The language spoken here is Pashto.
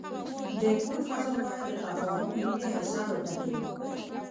د کور فضا باید د تفاهم، مینې، او صبر ډکه وي.